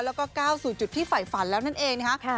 แล้วก็ก้าวสู่จุดที่ฝ่ายฝันแล้วนั่นเองนะคะ